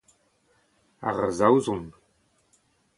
ar Saozon